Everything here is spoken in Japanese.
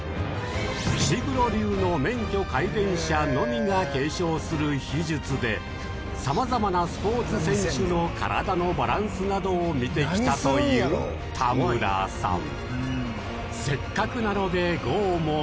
石黒流の免許皆伝者のみが継承する秘術で、さまざまなスポーツ選手の体のバランスなどを見てきたという田村さん。